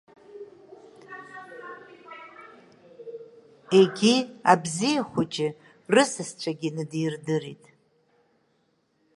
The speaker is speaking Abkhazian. Егьи, абзиа хәыҷы рысасцәагьы ныдирдырит…